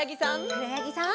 くろやぎさん。